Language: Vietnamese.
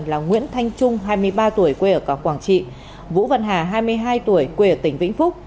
là nguyễn thanh trung hai mươi ba tuổi quê ở quảng trị vũ văn hà hai mươi hai tuổi quê ở tỉnh vĩnh phúc